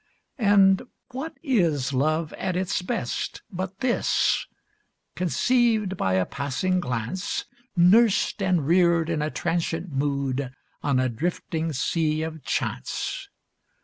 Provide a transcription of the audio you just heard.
And what is love at its best, but this? Conceived by a passing glance, Nursed and reared in a transient mood, on a drifting Sea of Chance.